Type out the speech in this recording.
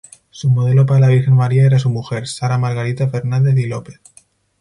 Su modelo para la Virgen María era su mujer, Sara Margarita Fernandez y Lopez.